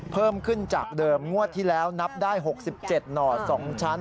เพิ่มขึ้นจากเดิมงวดที่แล้วนับได้๖๗หน่อ๒ชั้น